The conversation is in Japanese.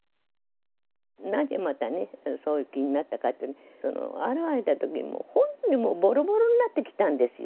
なぜまたね、そういう気になったかというとね、現れたとき、もう本当にもう、ぼろぼろになってきたんですよ。